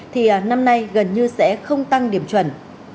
thì năm nay gần như sẽ không tăng điểm chuẩn